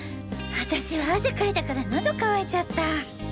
私は汗かいたからのど乾いちゃった。